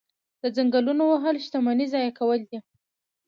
د ځنګلونو وهل شتمني ضایع کول دي.